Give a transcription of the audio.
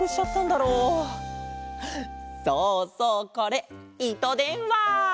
そうそうこれいとでんわ！